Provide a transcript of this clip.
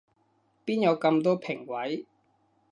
邊有咁多評委